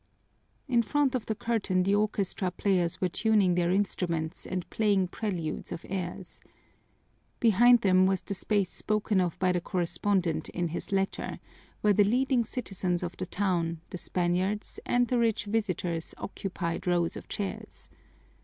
In front of the curtain the orchestra players were tuning their instruments and playing preludes of airs. Behind them was the space spoken of by the correspondent in his letter, where the leading citizens of the town, the Spaniards, and the rich visitors occupied rows of chairs.